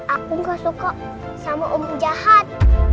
aku gak suka sama om jahat